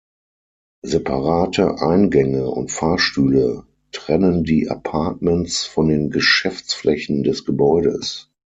Separate Eingänge und Fahrstühle trennen die Appartements von den Geschäftsflächen des Gebäudes.